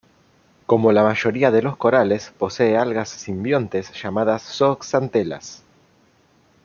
Como la mayoría de los corales, posee algas simbiontes, llamadas zooxantelas.